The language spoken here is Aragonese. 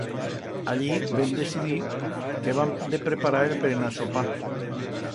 Allí vem decidir que hebam de preparar el brenar-sopar.